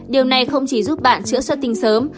điều này không chỉ giúp bạn chữa xuất tinh sớm